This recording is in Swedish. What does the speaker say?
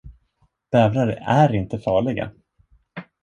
Bävrar är inte farliga.